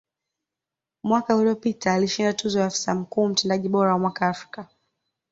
Mwaka uliopita alishinda tuzo ya Afisa Mkuu Mtendaji bora wa Mwaka Afrika